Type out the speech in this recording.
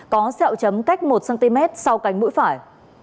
có xeo chấm cách một cm sau cánh mũi phải